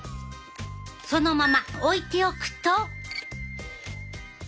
そのまま置いておくと。